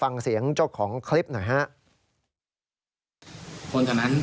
นี่ค่ะ